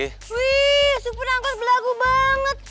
wih supir angkot berlagu banget